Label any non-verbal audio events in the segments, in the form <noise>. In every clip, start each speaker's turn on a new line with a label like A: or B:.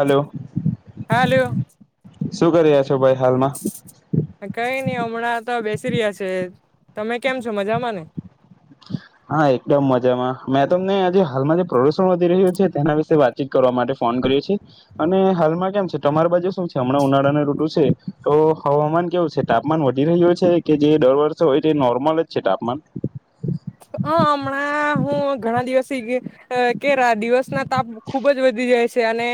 A: Hello.
B: હાલો
A: શું કરી ર્યા છો ભાઈ હાલમાં?
B: કઈ નઈ હમણાં તો બેસી રીયા છે. તમે કેમ છો મજામાં ને?
A: હા એકદમ મજામાં મેં તમને આજે હાલમાં જે પ્રદુષણ વધી રહ્યું છે તેના વિશે વાતચીત કરવા માટે ફોન કર્યો છે અને હાલમાં કેમ છે તમારી બાજુ શું છે હમણાં ઉનાળાને રૂટુ છે તો હવામાન કેવું છે તાપમાન વધી રહ્યું છે, કે જે દર વર્ષે હોય તે નોર્મલ જ છે તાપમાન?
B: હ હમણાં હું ઘણા દિવસ ગી અ કેરા દિવસ ના તાપ ખુબ જ વધી જાય છે. તે અને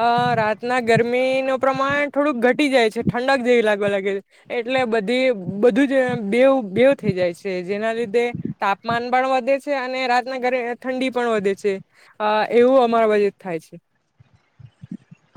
B: અ રાતના ગરમીનું પ્રમાણ થોડુંક ઘટી જાય છે ઠંડક જેવી લાગવા લાગે એટલે બધી બધું જ બેવ બેવ થઈ જાય છે. જેના લીધે તાપમાન પણ વધે છે અને રાતના ગ ઠંડી પણ વધે છે એવું અમારા બાજુ થાય છે.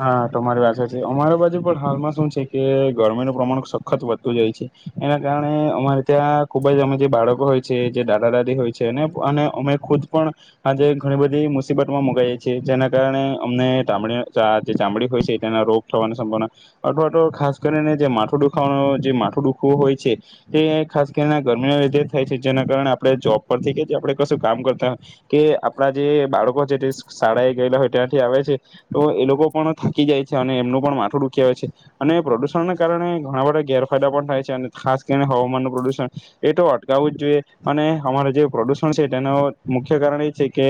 A: હા તમારી વાત સાચી અમારી બાજુ પણ હાલમાં શું છે કે ગરમીનું પ્રમાણ સખત વધતું જાય છે એના કારણે અમારે ત્યાં ખુબ જ અમે જે બાળકો હોય છે જે દાદા દાદી હોય છે અને અમે ખુદ પણ આજે ઘણી બધી મુસીબતમાં મુગઈએ છીએ જેના કારણે અમને તામડી જે ચામડી હોય છે તેના રોગ થવાની સંભાવના અથવા ખાસ કરીને જે માથું દુખવા જે માઠું દુખવું હોય છે તે ખાસ કરીને ગરમીના લીધે થાય છે જેના કારણે આપણે જોબ પરથી કે જે આપણે કશું કામ કરતા હોય કે આપણા જે બાળકો છે તે શાળા એ ગયેલા હોય ત્યાંથી આવે છે. તો એ લોકો પણ થાકી જાય છે અને એમનું પણ માથું દુખી આવે છે અને પ્રદુષણને કારણે ઘણા બધા ગેરફાયદા પણ થાય છે અને ખાસ કરીને હવામાનનું પ્રદુષણ એ તો અટકાવવું જ જોઈએ અને હમારા જે પ્રદૂષણ છે તેનું મુખ્ય કારણ એ છે કે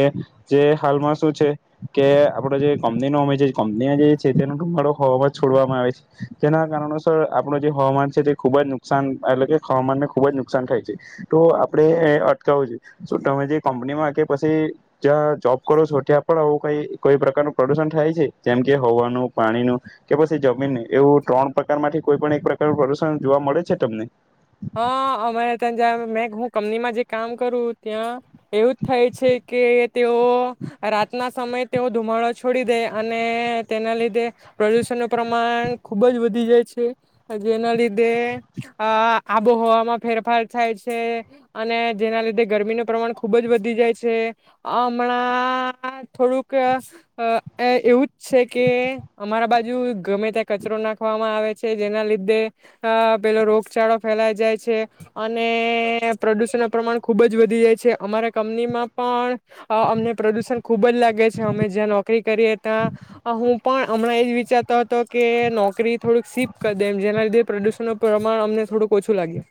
A: જે હાલમાં શું છે કે આપણે જે કમણીનું અનેજે કંપની જે છે તેનું ધુમાડો હવામાં છોડવામાં આવે છે તેના કારણોસર આપણું જે હવામાન છે તે ખુબ જ નુકસાન એટલે કે હવામાનને ખુબ જ નુકસાન થાય છે તો આપડણે અટકાવું જોઈએ તો તમે જે કંપનીમાં કે પછી જ્યાં જોબ કરો છો ત્યાં પણ આવું કઈ કોઈ પ્રકારનું પ્રદુષણ થાય છે જેમ કે હવાનું પાણીનું કે પછી જમીનનું એવું ત્રણ પ્રકાર માંથી કોઈ પણ એક પ્રકારનું પ્રદુષણ જોવા મળે છે તમને
B: હા અમે ત્યાં જ મે હું કંપનીમાં જે કામ કરું ત્યાં એવું જ થાય છે. કે તેઓ રાતના સમયે તેઓ ધુમાડો છોડી દે અને તેના લીધે પ્રદુષણનું પ્રમાણ ખુબ જ વધી જાય છે જેના લીધે આ આબોહવામાં ફેરફાર થાય છે અને જેના લીધે ગરમીનું પ્રમાણ ખૂબ જ વધી જાય છે હમણાં થોડુંક અ એવું છે કે અમારા બાજ હજુ ગમે ત્યાં કચરો નાખવામાં આવે છે. જેના લીધે આ પેલો રોગચાળો ફેલાઈ જાય છે અને પ્રદૂષણનું પ્રમાણ ખૂબ જ વધી જાય છે અમારા કંપનીમાં પણ અમને પ્રદૂષણ ખૂબ જ લાગે છે અમે જ્યાં નોકરી કરીએ ત્યાં હું પણ હમણાં એ જ વિચારતો તો કે નોકરી થોડુંક સીપ કરી દે એમ જેના લીધે પ્રદૂષણ પ્રમાણ અમને થોડુંક ઓછું લાગે.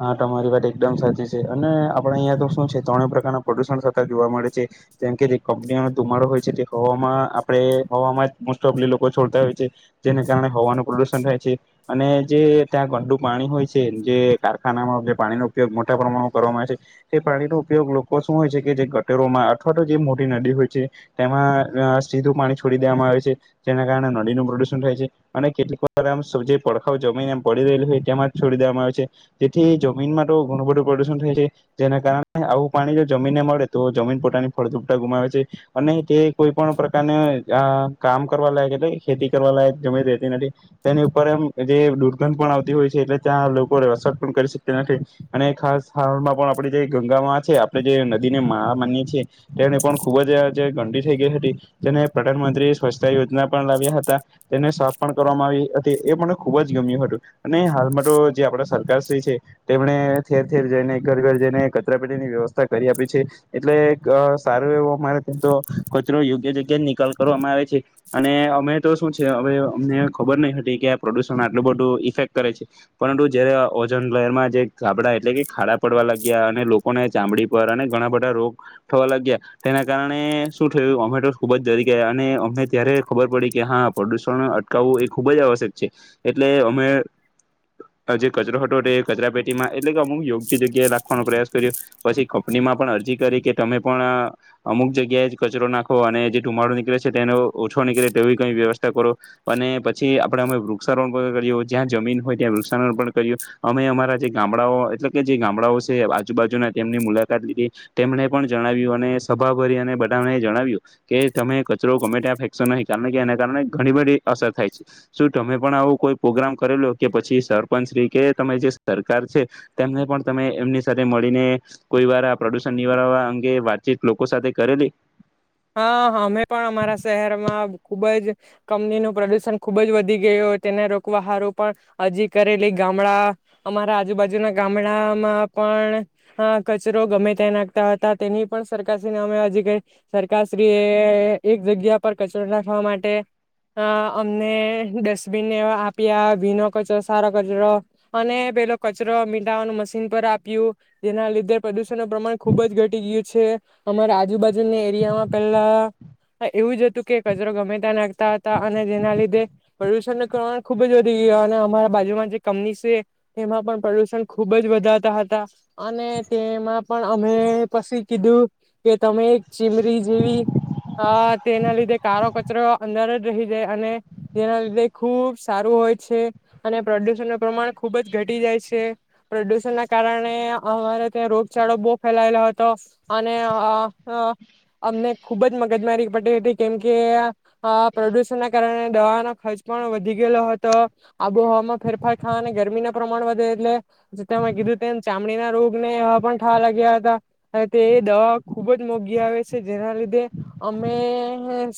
A: હા તમારી વાત એકદમ સાચી છે અને આપડ અહિયાં તો શું છે ત્રણેય પ્રકારના પ્રદુષણ થતા જોવા મળે છે જેમ કે જે કપનીઓનો ધુમાડો હોય છે તે હવામાં આપણે હવામાં મોસ્ટ ઓફ લોકો છોડતા હોય છે જેને કારણે હવાનું પ્રદુષણ રહેય છે અને જે ત્યાં ગંડુ પાણી હોય છે. તે જે કારખાનામાં જે પાણીનો ઉપયોગ મોટા પ્રમાણમાં કરવામાં આવે છે તે પાણીનો ઉપયોગ લોકો શું હોય છે કે જે ગટરોમાં અથવા તો જે મોટી નદી હોય છે તેમાં સીધું પાણી છોડી દેવામાં આવે છે જેના કારણે નદીનું પ્રદુષણ થાય છે અને કેટલીક વારમ જે પડખાવ જમીન એમ પડી રહેલી હોય તેમાં છોડી દેવામાં આવે છે જેથી જમીનમાં તો ઘણું બધું પ્રદુષણ થાય છે જેના કારણે આવું પાણી જો જમીનને મળે તો જમીન પોતાની ફળદુપટા ગુમાવે છે અને તે કોઈ પણ પ્રકારના આ કામ કરવા લાયક એટલે ખેતી કરવા લાયક જમીન રહેતી નથી તેની ઉપર એમ જે દુર્ગંધ પણ આવતી હોય છે એટલે ત્યાં લોકો <unintelligible> પણ કરી શકતા નથી અને ખાસ હાલમાં પણ આપણે જે ગંગામાં છે આપણે જે નદી ની મા માનીએ છીએ તેને પણ ખૂબ જ જે ગંડી થઈ ગઈ હતી તેને પ્રધાનમંત્રી સ્વચ્છતા યોજના પણ લાવ્યા હતા તેને આ સાફ પણ કરવામાં આવી હતી એ પણ ખુબ જ ગમ્યું હતું અને હાલમાં તો જે આપણા સરકારશ્રી છે તેમણે ઠેર-ઠેર જઈને ઘર-ઘર જઈને કચરા પેટીની વ્યવસ્થા કરી આપી છે એટલે સારું એવું અમારે ત તો કચરો યોગ્ય જગ્યા નિકાલ કરવામાં આવે છે અને અમે તો શું છે હવે અમને ખબર નહિ હતી કે આ પ્રદુષણ આટલું બધું ઈફેક્ટ કરે છે. પરંતુ જયારે ઓજન લહેરમાં જે ગાબડા એટલે કે ખાડા પડવા લાગ્યા અને લોકોને ચામડી પર અને ઘણા બધા રોગ થવા લાગ્યા તેના કારણે શું થયું અમેટો ખૂબ જરી ગયા અને અમને ત્યારે ખબર પડી કે હા પ્રદુષણ અટકાવવું એ ખૂબ જ આવશ્યક છે એટલે અમે અ જે કચરો હતો એ કચરા પેટીમાં એટલે અમુક યોગ્ય જગ્યાએ લા નાખવાનો પ્રયાસ કર્યો પછી કંપનીમાં પણ અરજી કરી કે તમે પણ અમુક જગ્યાએ કચરો નાખો અને જે ધુમાડો નીકળે છે તેનો ઓછો નીકળે તેવી કઈ વ્યવસ્થા કરો અને પછી આપડે અમે વૃક્ષારોપણ જ્યાં જમીન હોય ત્યા વૃ <unintelligible> અર્પણ કર્યું અમે અમારા જે ગામડાઓ એટલે કે જે ગામડાઓ છે આજુબાજુના તેમની મુલાકાત લીધી તેમને પણ જણાવ્યું અને સભા ભરી અને બધાને જણાવ્યું કે તમે કચરો ગમે ત્યા ફેંકશો નહી કારણે કે એના કારણે ઘણી બધી અસર થાય છે. શું તમે પણ આવું કોઈ પ્રોગ્રામ કરેલો કે પછી સર પંચરીકે તરી જે સરકાર છે તેમને પણ તમે એમની સાથે મળીને કોઈ વાર પ્રદુષણ નિવારવા અંગે વાતચીત લોકો સાથે કરેલી
B: હા અમે કંપની નું પ્રદુષણ ખુબ જ વધી ગયું તેને રોકવાહારો પણ હજી કરેલી ગામડા અમારા આજુબાજુના ગામડામાં પણ કચરો ગમે ત્યાં નાખતા હતા તેની પણ સરકાર અમે હજી સરકારશ્રી એ એક જગ્યા પર કચરો નાખવા માટે અ અમને ડસ્ટબી ને એવા આપ્યા ભીનો કચરો સારો કચરો અને પેલો કચરો મીટાવાનું મશીન પર આપ્યું જેના લીધે પ્રદુષણ ન પ્રમાણ ખુબ જ ઘટી ગયું છે અમારા આજુબાજુને <unintelligible> માં પહેલા એવું હા એવુંજ હતું કે કચરો ગમે ત નાખતા હતા અને જેના લીધે પ્રદુષણ ન પ્રમાણ ખુબ જ વધી ગય અને અમારા બાજુમાં જે કમની છે એમાં પણ પ્રદુષણ ખુબ જ વધારતા હતા અને તેમાં પણ અમે પછી કીધું કે તમે ચીમરી જેવી અ તેના લીધે કાળો કચરો અંદર જ રહી જાય અને તેના લીધે ખૂબ સારું હોય છે અને પ્રદુષણનું પ્રમાણ ખૂબ જ ઘટી જાય છે પ્રદુષણના કારણે અમારે ત્યાં રોગચાળો બહુ ફેલાયેલો હતો અને અ અ અમને ખુબ જ મગજમારી પતી હતી કેમકે આ પ્રદુષણ ના કારણે દવાનો ખર્ચ પણ વધી ગયેલો હતો આબોહમાં ફેરફાર ખાવા અને ગરમી ના પ્રમાણ વધે એટલેતામાં કીધું તેમ ચામડીના રોગ ને પણ થાવા લાગ્યા હતા તે દવા ખુબ જ મોઘી આવે જેના લીધે અમે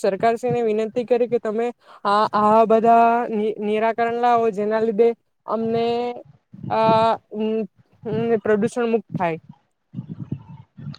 B: સરકારશ્રીને વિનંતી કરી કે તમે આ આ બધા ની નિરાકરણ લાવો જેના લીધે અમને આ પ્રદુષણ મુક્ત થાય.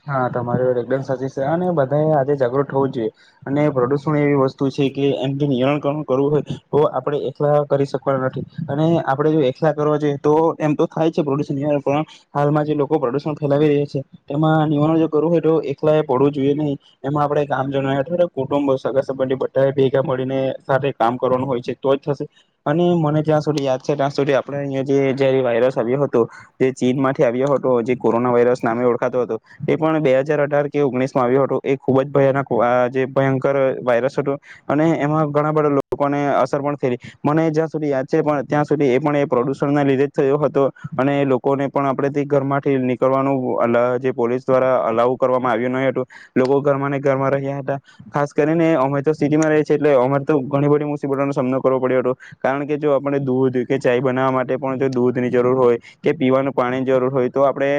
A: હા <unintelligible> તમારે સાચી છે અને બધા આજે જાગૃત થવું જોઈએ અને પ્રદુષણ એવી વસ્તુ છે કે એમ જે નિણણ કરવું હોય તો આપડણે એકલા કરી શકવાના નથી અને આપણેે જો એકલા કરવા જોઈએ તો એમ તો થાય છે પ્રદુષણ નિ પણ હાલમાં જે લોકો પ્રદુષણ ફેલાવી રહ્યા છે તેમાં <unintelligible> કરવું હોય તો એકલા પડવું જોઈએ નહી એમાં આપણેે ગામજ અ કુટુંબ સગરબંધી ભેગા મળીને સાથે કામ કરવાનું હોય છે તો જ થશે અને મને ત્યાં સુધી યાદ છે ત્યાં સુધી આપણે અયા જે જ વાયરસ આવ્યો હતો જે ચીન માંથી આવ્યો હતો જે કોરોના વાયરસ નામે ઓળખાતો હતો. એ પણ બે હજર અઢાર કે ઓગણીસ માં આવ્યો હતો એ ખુબ જ ભયાનક જે ભયંકર વાયરસ હતો, અને એમાં ઘણા બધા લોકોને અસર પણ થયલી, મને જ્યાં સુધી યાદ છે પણ ત્યાં સુધી એ પણ એ પ્રદુષણના લીધે જ થયો હતો, અને લોકોને પણ આપણેે થી ઘર માંથી નીકળવાનું અલગ પોલીસ દ્વારા અલાઉ કરવામાં આવ્યું નહી હતું, લોકો ઘરમાં ને ઘરમાં રહ્યા, હતા ખાસ કરીને અમે તો સિટીમાં રી એટલે અરે તો ઘણી બધી મુશ્બતો નનો સામનો કરવો પડ્યો હતો, કારણ કે જો આપણે દૂધ કે ચાય બનાવવા માટે પણ જો દૂધ ની જરૂર હોય, કે પીવાનું પાણીની જરૂર હોય તો આપણે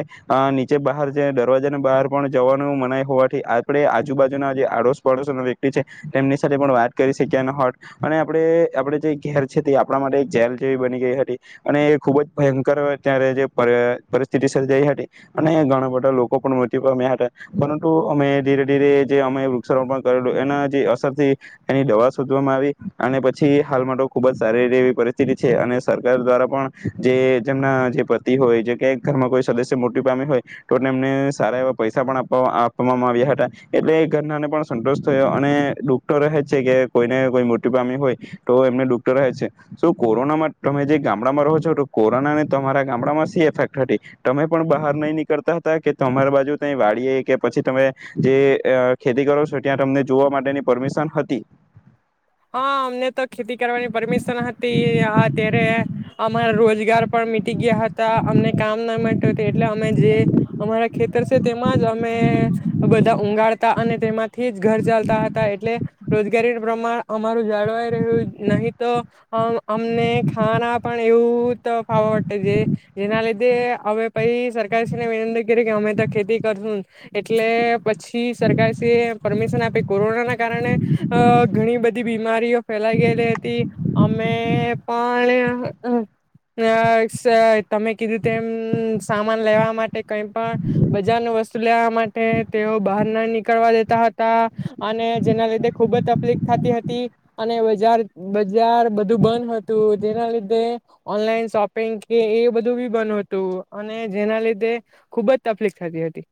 A: નીચે બહાર દરવાજા બહાર પણ જવાનું મનાય હોવાથી આપણે આજુબાજુના જે આડોશ પાડોશો વ્યક્તિ છે, તેમની સાથે પણ વાત કરી શક્યા ન હોટ, અને આપણે આપે જે ઘેર છે તે આપણા માટે જેલ જેવી બની ગઈ હતી, અને એ ખુબ જ ભયંકર અત્યારે જે પરિસ્થિતિ સર્જાઈ હતી, અને ઘણા બધા લોકો પણ મૃત્યુ પામ્યા હતા, પરંતુ અમે ધીરે-ધીરે જે અમે વૃક્ષારોપણ કરેલું એના જે અસરથી, એની દવા શોધવામાં આવી અને પછી હાલમાં તો ખુબ જ સારી એવી પરિસ્થિતિ છે અને સરકાર દ્વારા પણ, જે જેમના જે પતિ હોય જે ઘરમાં કોઈ સદસ્ય મૃત્યુ પામ્યા હોય. તો એમને સારા એવા પૈસા પણ આપવામાં આવ્યા હતા, એટલે ઘરનાને પણ સંતોષ થયો અને ડૂક્ટર રહે જ છે કે કોઈને કોઈ મોટી પામી હોય, તો એમને ડૂક્ટર રહે છે તો કોરોનામાં તમે જે ગામડામાં રહો છો તો કોરોનાને તમારા ગામડામાં સી એફેક્ટ હતી, તમે પણ બહાર નહીં નીકળતા હતા? કે તમારી બાજુ ત વાડી કે પછી તમે, જે ખેતી કરો છો ત્યાં તમને જોવા માટેની પરમિશન હતી.
B: હા અમને તો ખેતી કરવાની પરમિશન હતી અત્યારે અમારા રોજગાર પણ મીટી ગયા હતા અમને કામ ના માટે એટલે અમે જે, અમારા ખેતર છે તેમાં જ અમે બધા ઊંગાડતા અને તેમાંથી જ ઘર ચાલતા હતા એટલે, રોજગારી પ્રમાણ અમારું જાળવાઈ રહ્યું નહી તો, અમને ખાના પણ એવું તો ફવા પડે જે, જેના લીધે હવે પછ સરકારશ્રીને વિનંતી કરી કે અમે તો ખેતી કરશું, એટલે પછી સરકારશ્રી એ પરમિશન આપી કોરોના ના કારણે, ઘણી બધી બધી બીમારીઓ ફેલાઈ ગયેલી હતી, અમે પણ તમે કીધું તેમ સામાન લેવા માટે કઈ પણ બજારની વસ્તુ લેવા માટે તેઓ બહાર ના નીકળવા દેતા હતા, અને જેના લીધે ખુબ જ તકલીફ થતી હતી. અને બજાર બજાર બધું બંધ હતું જેના લીધે, ઓનલાઈન શોપિંગ કે એ બધું બી બંધ હતું અને જેના લીધે, ખુબજ તકલીફ થતી હતી.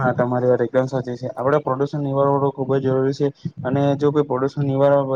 A: હા તમારી વાત એકદમ સાચી છે આપડે પ્રોદુશન નિવારણું ખુબ જરૂરી છે અને જો કોઈ પ્રદુસન નિવારણ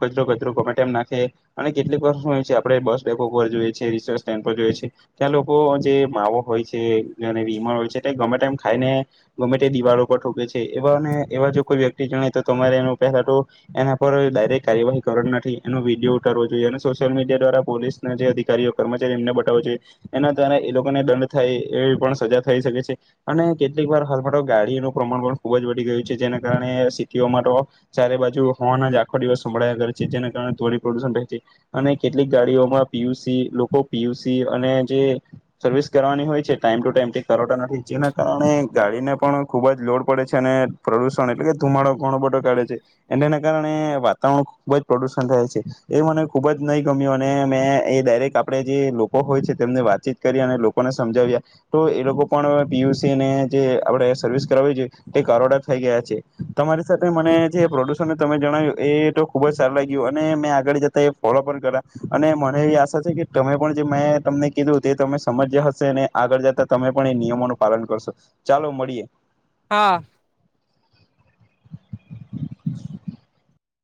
A: કચરો કચરો ગમે ટાઈમ નાખે અને કેટલીક વાર શું હોય છે આપણે બસ ડેપો પર જોઈ છે રિક્ષા સ્ટેન્ડ પર જોઈએ છે ત્યાં લોકો જે માવો હોય છે અને વિમલ હોય છે ગમે ટાઈમ ખાઈને ગમે તે દિવાલો પર ઠૂકે છે, એવાને એવા જો કોઈ વ્યક્તિ જણ તો તમારે એ પહેલા તો એના પર ડાયરેક્ટ કાર્યવાહી કરવાની નથી એનો વિડીયો ઉતારવો જોઈએ અને સોશિયલ મીડિયા દ્વારા પોલીસ ના જે અધિકારીઓ કર્મચારી એમને બતાવો જોઈએ એના દ્વારા એ લોકોને દંડ થાય, એવી પણ સજા થઈ શકે છે અને કેટલીક વાર હાલ મા તોગાડીનું પ્રમાણ પણ ખુબ જ વધી ગયું છે જેના કારણે સિટીઓમાં તો, ચારે બાજુ હોન જ આખો દિવસ સંભળયા કર છે જેના કારણે ધોરી પ્રદુષણ રહે છે, અને કેટલીક ગાડીઓમાં પી યુ સી લોકો પી યુ સી અને જે સર્વિસ કરવાની હોય છે, ટાઈમ ટુ ટાઈમ કર નથી જેના કારણે ગાડીને પણ ખૂબ જ લોડ પડે છે અને પ્રદુષણ એટલે કે ધુમાડો ઘણો બધો કાઢે છે, અને એના કારણે વાતાવરણ ખૂબ જ પ્રદુષણ થાય છે, એ મને ખૂબ જ નહીં ગમ્યું અને મેં એ ડાયરેક્ટ આપણે જે લોકો હોય છે તેમને વાતચીત કરી અને લોકોને સમજાવ્યા, તો એ લોકો પણ પીયુસીને જે આપણે સર્વિસ કરાવવી જોઈએ તે કરોડા થઈ ગયા છે, તમારી સાથે મને જે પ્રોડ્યુસરને તમે જણાવ્યું એ તો ખુબ જ સારું લાગ્યું અને મેં આગળ જતા એ ફોલો પણ કરા, અને મને એવી આશા છે કે તમે પણ જે મેં તમને કીધું તે તમે સમજ્યા હશે અને આગળ જતા તમે પણ એ નિયમોનું પાલન કરશો. ચાલો મળીએ.
B: હા.